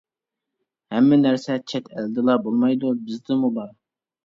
ھەممە نەرسە چەت ئەلدىلا بولمايدۇ، بىزدىمۇ بار.